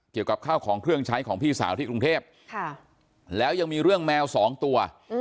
เกี่ยวกับข้าวของเครื่องใช้ของพี่สาวที่กรุงเทพแล้วยังมีเรื่องแมวสองตัว